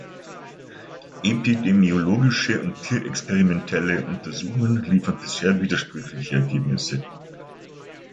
Epidemiologische und tierexperimentelle Untersuchungen liefern bisher widersprüchliche Ergebnisse.